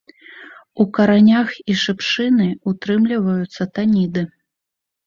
У каранях і шыпшыны ўтрымліваюцца таніды.